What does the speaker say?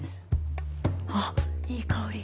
あっいい香り。